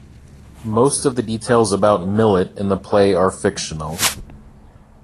Most of the details about Millet in the play are fictional.